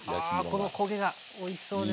ああこの焦げがおいしそうですね。